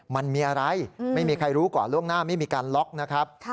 มันมีอะไรไม่มีใครรู้ก่อนล่วงหน้าไม่มีการล็อกนะครับ